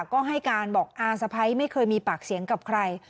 ก็ให้การบอกอาสะพ้ายไม่เคยมีปากเสียงกับใคร